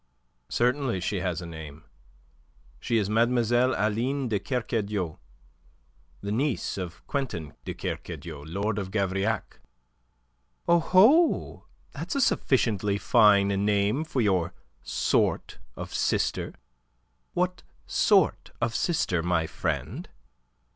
"Certainly she has a name. She is Mlle. Aline de Kercadiou, the niece of Quintin de Kercadiou, Lord of Gavrillac." "Oho! That's a sufficiently fine name for your sort of sister. What sort of sister, my friend?"